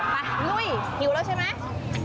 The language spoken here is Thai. ไปลุยหิวแล้วใช่ไหม